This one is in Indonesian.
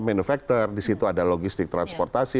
manufaktur di situ ada logistik transportasi